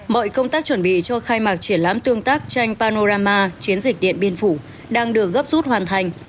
mọi công tác chuẩn bị cho khai mạc triển lãm tương tác tranh panorama chiến dịch điện biên phủ đang được gấp rút hoàn thành